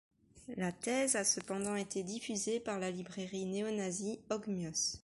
La thèse a cependant été diffusée par la librairie néo-nazie Ogmios.